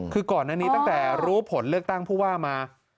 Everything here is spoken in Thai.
คือก่อนอันนี้ตั้งแต่รู้ผลเลือกตั้งผู้ว่ามา